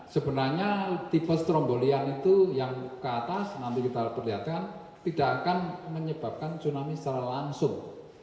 sebenarnya tipe strombolian itu yang ke atas nanti kita perlihatkan tidak akan menyebabkan tsunami secara langsung